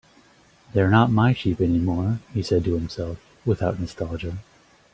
"They're not my sheep anymore," he said to himself, without nostalgia.